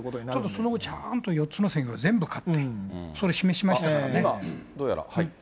その後ちゃんと４つの選挙全部勝って、それで示しましたからどうやら。